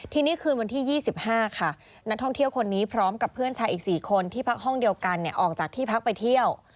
ทีนี้คืนวันที่๒๕ค่ะนักท่องเที่ยวคนนี้พร้อมกับเพื่อนชายอีก๔คนที่พักห้องเดียวกันออกจากที่พักไปเที่ยว